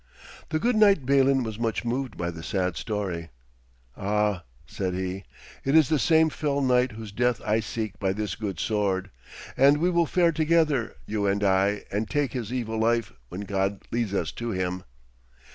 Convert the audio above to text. The good knight Balin was much moved by the sad story. 'Ah!' said he, 'it is the same fell knight whose death I seek by this good sword. And we will fare together, you and I, and take his evil life when God leads us to him.'